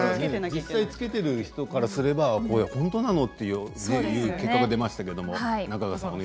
実際に着けている人からすれば本当なの？という結果が出ました。